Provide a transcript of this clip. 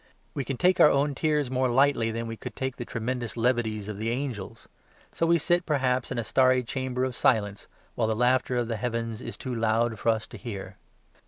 We can take our own tears more lightly than we could take the tremendous levities of the angels. So we sit perhaps in a starry chamber of silence, while the laughter of the heavens is too loud for us to hear.